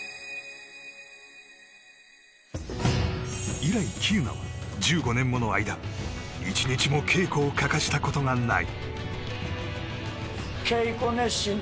以来、喜友名は１５年もの間１日も稽古を欠かしたことがない。